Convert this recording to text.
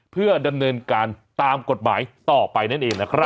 เพื่อดำเนินการตามกฎหมายต่อไปนั่นเองนะครับ